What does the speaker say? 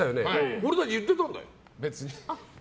俺たち言っていたんだよ。